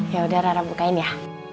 ya udah rana bukain ya